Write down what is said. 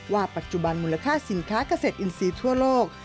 ว่าปัจจุบันมูลค่าสินค้าเกษตรอินทรีย์ทั่วโลก